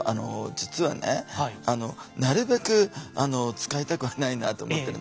実はねなるべく使いたくはないなと思ってるんですけどね